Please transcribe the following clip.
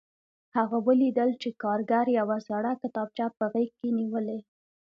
هغه ولیدل چې کارګر یوه زړه کتابچه په غېږ کې نیولې